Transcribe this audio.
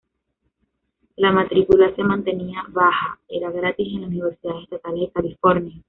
La matrícula se mantenía baja -era gratis en las universidades estatales de California.